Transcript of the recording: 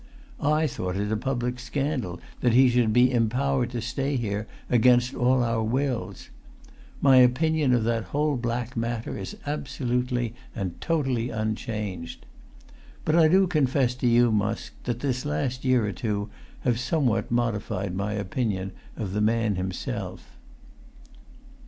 I thought it a public scandal that he should be empowered to stay here against all our wills. My opinion of that whole black matter is absolutely and totally unchanged. But I do confess to you, Musk, that this last year or two have somewhat modified my opinion of the man himself."